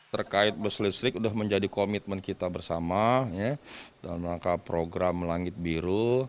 terkait bus listrik sudah menjadi komitmen kita bersama dalam rangka program langit biru